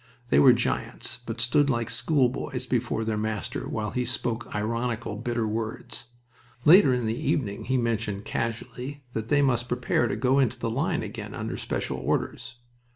They were giants, but stood like schoolboys before their master while he spoke ironical, bitter words. Later in the evening he mentioned casually that they must prepare to go into the line again under special orders.